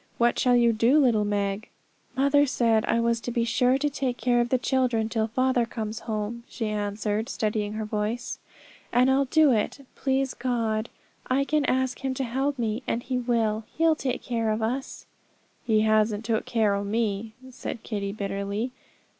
What shall you do, little Meg?' 'Mother said I was to be sure to take care of the children till father comes home,' she answered, steadying her voice; 'and I'll do it, please God. I can ask Him to help me, and He will. He'll take care of us.' 'He hasn't took care o' me,' said Kitty bitterly.